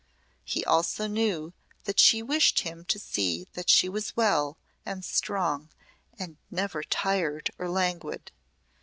He also knew that she wished him to see that she was well and strong and never tired or languid.